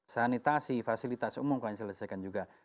sanitasi fasilitas umum kami selesaikan juga